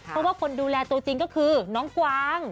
เพราะว่าคนดูแลตัวจริงก็คือน้องกวาง